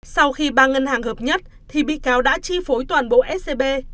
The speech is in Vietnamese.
sau khi ba ngân hàng hợp nhất thì bị cáo đã chi phối toàn bộ scb